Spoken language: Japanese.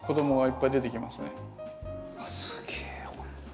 はい。